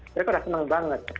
mereka sudah senang banget